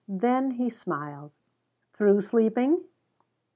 Then he smiled. "Through sleeping?"